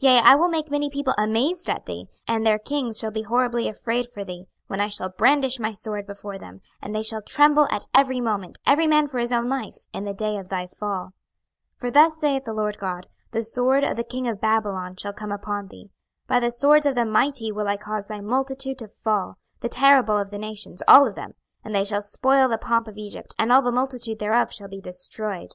26:032:010 Yea, I will make many people amazed at thee, and their kings shall be horribly afraid for thee, when I shall brandish my sword before them; and they shall tremble at every moment, every man for his own life, in the day of thy fall. 26:032:011 For thus saith the Lord GOD; The sword of the king of Babylon shall come upon thee. 26:032:012 By the swords of the mighty will I cause thy multitude to fall, the terrible of the nations, all of them: and they shall spoil the pomp of Egypt, and all the multitude thereof shall be destroyed.